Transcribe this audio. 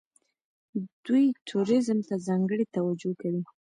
دوی ټوریزم ته ځانګړې توجه کوي.